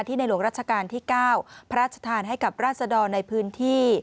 ในหลวงรัชกาลที่๙พระราชทานให้กับราศดรในพื้นที่